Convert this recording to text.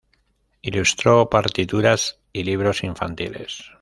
Ilustró partituras y libros infantiles.